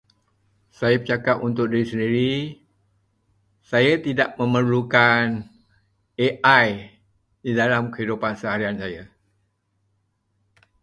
Saya bercakap untuk diri sendiri. Saya tidak memerlukan AI di dalam kehidupan seharian saya.